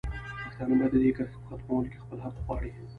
پښتانه باید د دې کرښې په ختمولو کې خپل حق وغواړي.